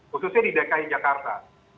khususnya di dki jakarta